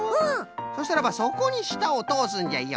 そしたらばそこにしたをとおすんじゃよ。